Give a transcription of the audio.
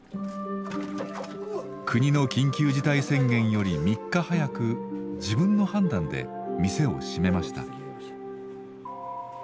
国の緊急事態宣言より３日早く自分の判断で店を閉めました。